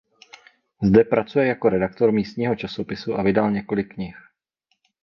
Zde pracuje jako redaktor místního časopisu a vydal několik knih.